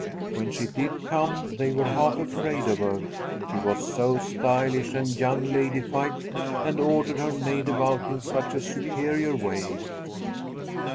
When she did come, they were half afraid of her, she was so stylish and young ladified, and ordered her maid about in such a superior way.